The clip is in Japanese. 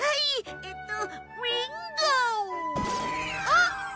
あっ！